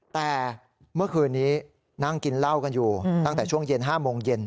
แต่เมื่อคืนนี้นั่งกินเหล้ากันอยู่ตั้งแต่ช่วงเย็น๕โมงเย็น